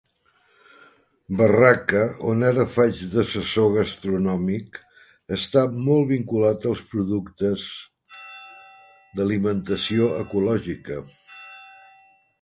Barraca, on ara faig d'assessor gastronòmic, està molt vinculat als productes d'alimentació ecològica.